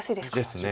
ですね。